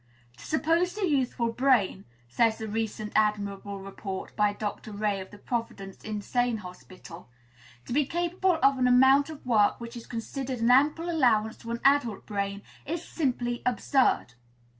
'To suppose the youthful brain,' says the recent admirable report, by Dr. Ray, of the Providence Insane Hospital, 'to be capable of an amount of work which is considered an ample allowance to an adult brain is simply absurd.'